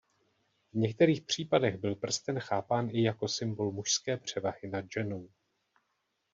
V některých případech byl prsten chápán i jako symbol mužské převahy nad ženou.